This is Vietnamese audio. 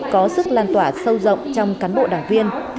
có sức lan tỏa sâu rộng trong cán bộ đảng viên